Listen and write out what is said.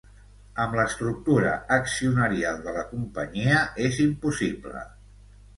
Amb l'estructura accionarial de la companyia és impossible